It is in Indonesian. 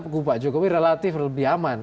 kubu pak jokowi relatif lebih aman